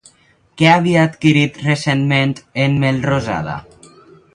Què havia adquirit recentment en Melrosada?